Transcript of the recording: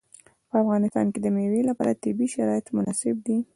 په افغانستان کې د مېوې لپاره طبیعي شرایط مناسب دي.